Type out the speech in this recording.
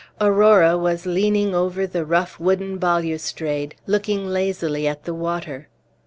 Aurora was leaning over the rough wooden balustrade, looking lazily at the water.